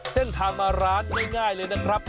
เส้นทางมาร้านง่ายเลยนะครับ